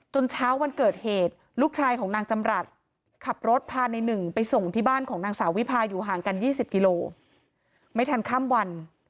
เช้าวันเกิดเหตุลูกชายของนางจำรัฐขับรถพาในหนึ่งไปส่งที่บ้านของนางสาววิพาอยู่ห่างกัน๒๐กิโลไม่ทันข้ามวัน